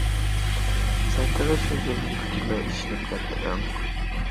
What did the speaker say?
سەن تېخى سۆزلىرىمگە پۈتۈنلەي ئىشىنىپ كەتمىدىڭ.